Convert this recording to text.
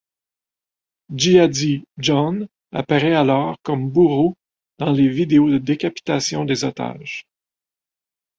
Jihadi John apparaît alors comme bourreau dans les vidéos de décapitations des otages.